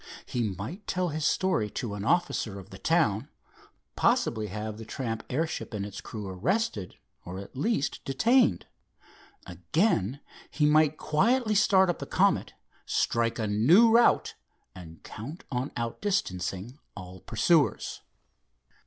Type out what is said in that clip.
He might tell his story to an officer of the town, possibly have the tramp airship and its crew arrested, or at least detained. Again, he might quietly start up the Comet, strike a new route, and count on outdistancing all pursuers.